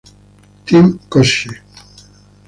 Team Koscheck.